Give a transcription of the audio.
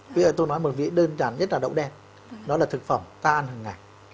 ví dụ tôi nói một vị đơn giản nhất là đậu đen nó là thực phẩm ta ăn hằng ngày